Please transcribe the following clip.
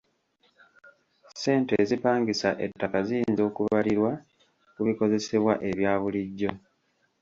Ssente ezipangisa ettaka ziyinza okubalirwa ku bikozesebwa ebyabulijjo.